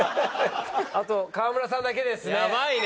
あと川村さんだけですね。